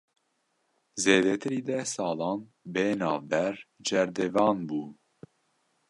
Zêdetirî deh salan, bê navber cerdevan bû